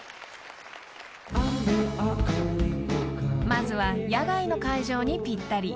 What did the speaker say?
［まずは野外の会場にぴったり］